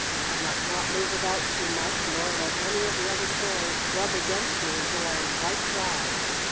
"I must not move about too much nor let any of the other toys rub against me until I am quite dry.